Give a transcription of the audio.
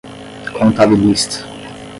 contabilista